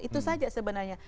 itu saja sebenarnya